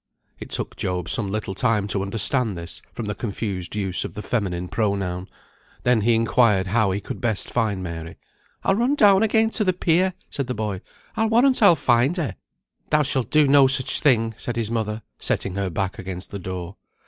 It took Job some little time to understand this, from the confused use of the feminine pronoun. Then he inquired how he could best find Mary. "I'll run down again to the pier," said the boy; "I'll warrant I'll find her." "Thou shalt do no such a thing," said his mother, setting her back against the door.